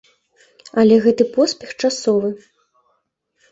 Але гэты поспех часовы.